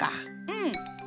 うん。